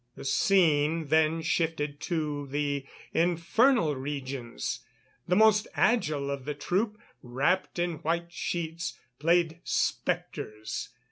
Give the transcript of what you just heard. The scene then shifted to the infernal regions. The most agile of the troop, wrapped in white sheets, played spectres.